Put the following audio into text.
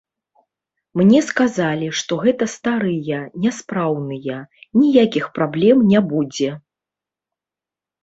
Мне сказалі, што гэта старыя, няспраўныя, ніякіх праблем не будзе.